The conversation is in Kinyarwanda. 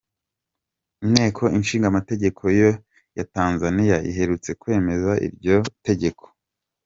Inteko ishingamategeko ya Tanzaniya iherutse kwemeza iryo tegeko.